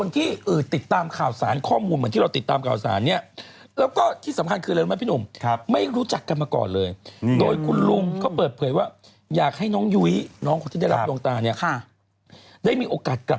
ถ้าให้แบบเหมือนกันไหมคะ